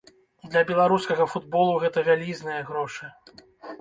Для беларускага футболу гэта вялізныя грошы.